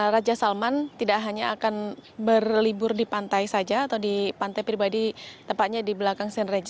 raja salman tidak hanya akan berlibur di pantai saja atau di pantai pribadi tepatnya di belakang st regi